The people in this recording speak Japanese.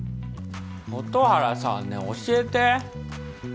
蛍原さんねえ教えて。